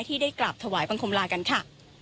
ที่ได้กราบถวายบังคมลากันค่ะ